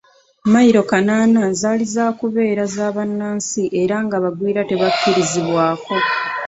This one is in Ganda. Mmayiro kanaana zaali zaakubeera za bannansi era nga abagwira tebakkirizibwako.